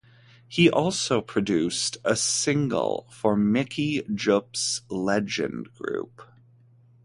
He also produced a single for Mickey Jupp's Legend group.